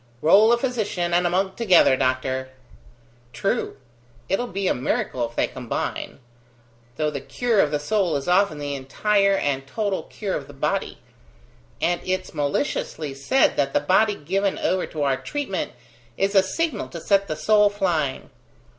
"Roll a physician and a monk together, doctor!" "True: it'll be a miracle if they combine. Though the cure of the soul is often the entire and total cure of the body: and it's maliciously said that the body given over to our treatment is a signal to set the soul flying.